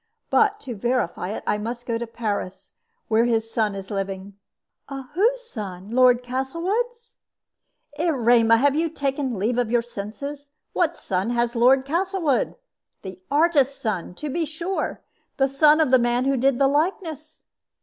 But to verify it I must go to Paris, where his son is living." "Whose son? Lord Castlewood's?" "Erema, have you taken leave of your senses? What son has Lord Castlewood? The artist's son, to be sure; the son of the man who did the likeness.